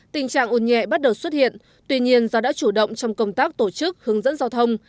tình trạng ôn nhẹ bắt đầu xuất hiện tuy nhiên do đã chủ động trong công tác tổ chức hướng dẫn giao thông